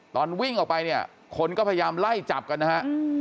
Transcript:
ตอนวิ่งออกไปเนี่ยคนก็พยายามไล่จับกันนะฮะ